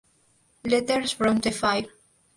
Letters from the Fire